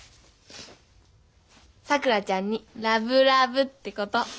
さくらちゃんにラブラブってこと。